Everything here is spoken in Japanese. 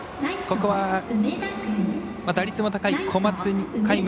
ここは打率も高い小松海